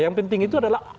yang penting itu adalah